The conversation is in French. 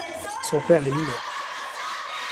Son père est mineur.